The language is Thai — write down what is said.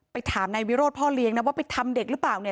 ไปถามนายวิโรธพ่อเลี้ยงว่าไปทำเด็กรึเปล่า